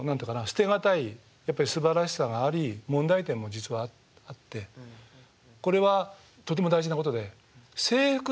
捨てがたいやっぱりすばらしさがあり問題点も実はあってこれはとても大事なことで。